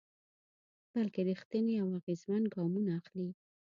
بلکې رېښتيني او اغېزمن ګامونه اخلي.